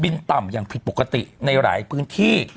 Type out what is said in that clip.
ต่ำอย่างผิดปกติในหลายพื้นที่